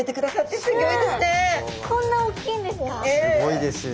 すごいですよ。